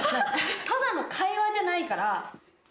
ただの会話じゃないから。